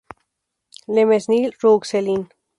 Le Mesnil-Rouxelin